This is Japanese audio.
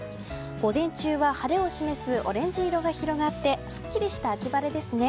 午前中は晴れを示すオレンジ色が広がってすっきりした秋晴れですね。